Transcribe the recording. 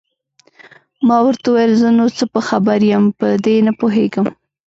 ما ورته وویل: زه نو څه په خبر یم، په دې نه پوهېږم.